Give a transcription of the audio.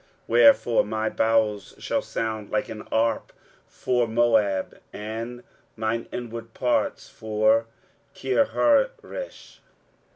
23:016:011 Wherefore my bowels shall sound like an harp for Moab, and mine inward parts for Kirharesh.